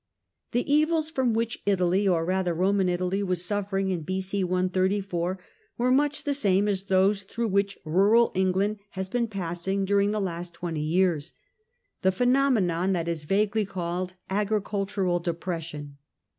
The evils from which Italy, or rather Eoman Italy, was suffering in B.C. 134 were much the same as those through which rural England has been passing during the last twenty years — ^the phenomenon that is vaguely called "agricultural depression."